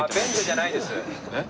えっ？